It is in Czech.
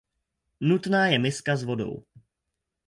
Nutná je miska s vodou.